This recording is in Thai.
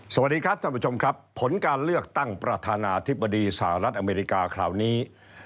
สวัสดีครับท่านผู้ชมครับผลการเลือกตั้งประธานาธิบดีสหรัฐอเมริกาคราวนี้